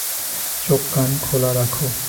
চোখ কান খোলা রাখ।